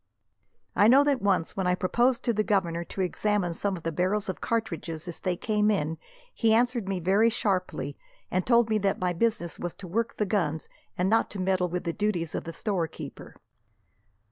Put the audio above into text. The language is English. "I know that once, when I proposed to the governor to examine some of the barrels of cartridges as they came in, he answered me very sharply, and told me that my business was to work the guns, and not to meddle with the duties of the storekeeper."